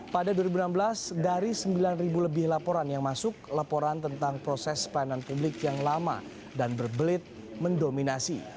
pada dua ribu enam belas dari sembilan lebih laporan yang masuk laporan tentang proses pelayanan publik yang lama dan berbelit mendominasi